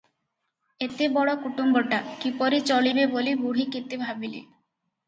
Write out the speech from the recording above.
ଏତେବଡ଼ କୁଟୁମ୍ବଟା- କିପରି ଚଳିବେ ବୋଲି ବୁଢ଼ୀ କେତେ ଭାବିଲେ ।